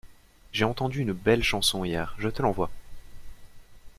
J'ai entendu une belle chanson hier, je te l'envoie.